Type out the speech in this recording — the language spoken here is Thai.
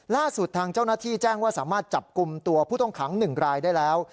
ล่าสุดทางเจ้าหน้าที่แจ้งว่าสามารถจับกลุ่มตัวผู้ต้องขัง๑รายได้แล้ว